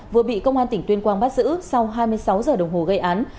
vừa bị công an tỉnh tuyên quang bắt giữ sau hai mươi sáu giờ đồng hồ gây án